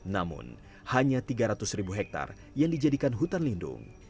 namun hanya tiga ratus ribu hektare yang dijadikan hutan lindung